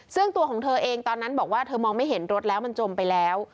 ซึ่งตัวของเธอเองตอนนั้นบอกว่าเธอมองไม่เห็นรถแล้วมันจมไปแล้ว